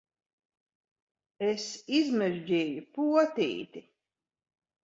Es izmežģīju potīti!